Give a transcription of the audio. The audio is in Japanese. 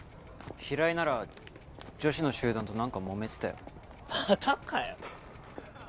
平井なら女子の集団と何かもめてたよまたかよ